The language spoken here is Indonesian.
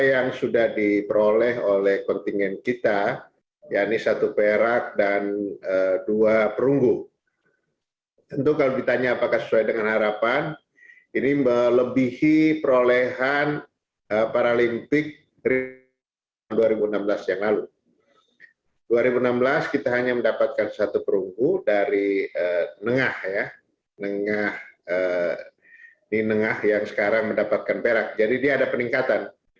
ini adalah perak yang sekarang mendapatkan perak jadi dia ada peningkatan